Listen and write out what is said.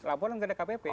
lampau kan tidak ada kpp